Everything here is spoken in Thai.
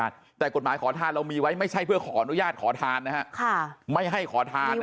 แต่กฎหมายขอทานเรามีไว้ไม่ใช่เพื่อขออนุญาตขอทานนะฮะค่ะไม่ให้ขอทานนะ